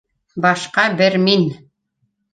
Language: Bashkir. Башҡа бер Мим